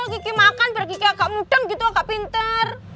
kiki makan berarti kiki agak mudeng gitu agak pinter